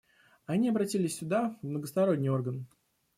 Они обратились сюда, в многосторонний орган.